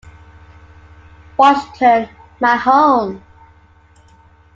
Washington, my home.